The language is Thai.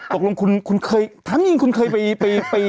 ตกลงคุณทางเองคือทาย